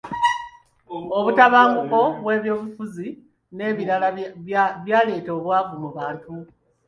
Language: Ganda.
Obutabanguko bw’ebyobufuzi n’ebirala byaleeta obwavu mu bantu.